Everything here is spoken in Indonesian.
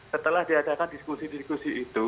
setelah diadakan diskusi diskusi itu